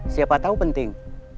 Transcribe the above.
siapa tahu penting